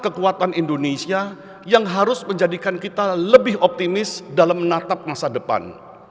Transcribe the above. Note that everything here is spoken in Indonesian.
kekuatan indonesia yang harus menjadikan kita lebih optimis dalam menatap masa depan